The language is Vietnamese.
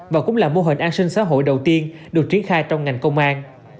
và cũng là mô hình an sinh xã hội đầu tiên được triển khai trong ngành công an